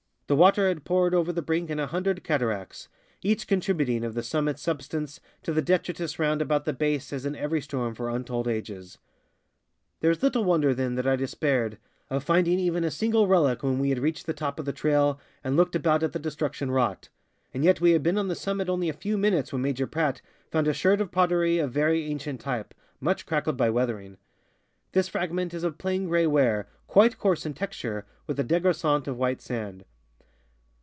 The water had poured over the brink in a hundred cataracts, each contributing of the summit's substance to the detritus round about the base as in every storm for untold ages. There is little wonder, then, that I despaired of finding even 280 THE ENCHANTED MESA a single relic when we had reached the top of the trail and looked about at the destruction wrought ; and yet we had Ijeen on the summit only a few minutes when Major Pradt found a sherd of pottery of very ancient type, much crackled by weathering. This fragment is of plain gray ware, quite coarse in texture, with a degraissant of white sand.